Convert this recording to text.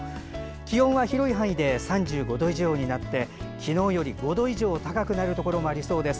気温は広い範囲で３５度以上になり昨日より５度以上高くなるところもありそうです。